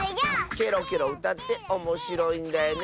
ケロケロうたっておもしろいんだよね